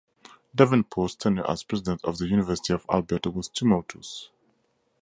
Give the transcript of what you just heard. Davenport's tenure as President of the University of Alberta was tumultuous.